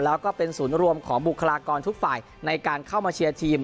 แล้วก็เป็นศูนย์รวมของบุคลากรทุกฝ่ายในการเข้ามาเชียร์ทีม